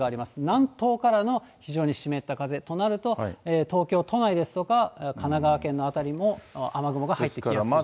南東からの非常に湿った風となると、東京都内ですとか、神奈川県の辺りも雨雲が入ってきやすい。